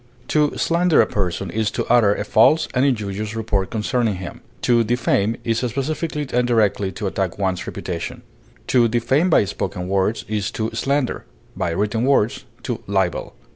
To slander a person is to utter a false and injurious report concerning him; to defame is specifically and directly to attack one's reputation; to defame by spoken words is to slander, by written words, to libel.